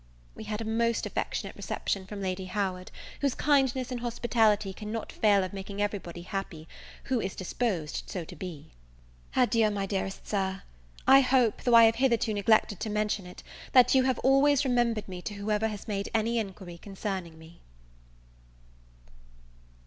We had a most affectionate reception from Lady Howard, whose kindness and hospitality cannot fail of making every body happy who is disposed so to be. Adieu, my dearest Sir. I hope, though I have hitherto neglected to mention it, that you have always remembered me to whoever has made any inquiry concerning me.